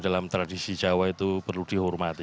dalam tradisi jawa itu perlu dihormati